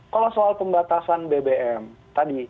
kalau soal pembatasan bbm tadi